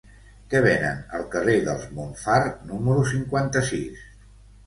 Què venen al carrer dels Montfar número cinquanta-sis?